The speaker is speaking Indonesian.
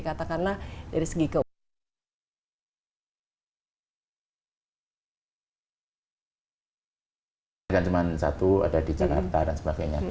katakanlah dari segi keuangan